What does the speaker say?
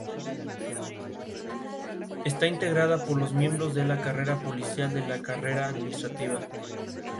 Su gobierno fue caracterizado por actos de corrupción y represión hacia los trabajadores.